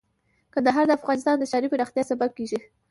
کندهار د افغانستان د ښاري پراختیا سبب کېږي.